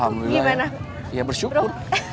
alhamdulillah ya bersyukur